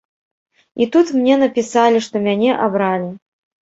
І тут мне напісалі, што мяне абралі!